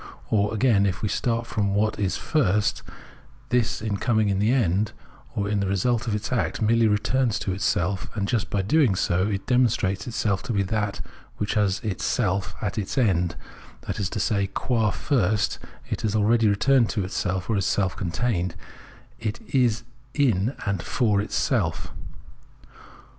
Or, again, if we start from what is first, this, in coming to the end or the result of its act, merely returns to itself, and, just by so doing, it demonstrates itself to be that which has itself as its end, that is to say, qua first it has already returned to itself, or is self contained, is in and for itself.